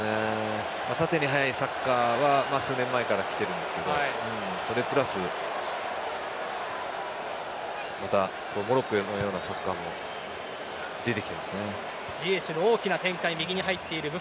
縦に速いサッカーは数年前から来てますけどそれプラスモロッコのようなサッカーも出てきてますね。